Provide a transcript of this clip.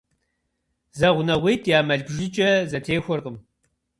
Зэгъунэгъуитӏ я мэл бжыкӏэ зэтехуэркъым.